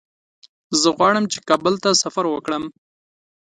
زه غواړم چې کابل ته سفر وکړم.